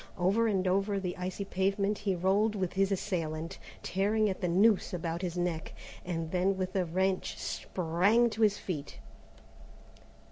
Over and over the icy pavement he rolled with his assailant, tearing at the noose about his neck, and then with a wrench sprang to his feet.